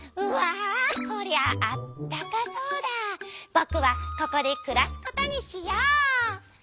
ぼくはここでくらすことにしよう。